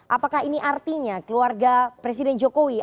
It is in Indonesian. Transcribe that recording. apakah ini artinya keluarga presiden jokowi akan pisahkan